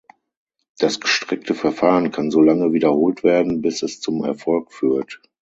Das gestreckte Verfahren kann so lange wiederholt werden, bis es zum Erfolg führt.